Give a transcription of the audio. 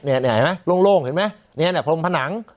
เนี่ยเนี่ยเห็นไหมโล่งโล่งเห็นไหมเนี่ยเนี่ยพรมผนัง